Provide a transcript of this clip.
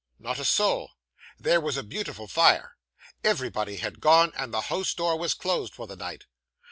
Not a soul. There was a beautiful fire. Everybody had gone, and the house door was closed for the night.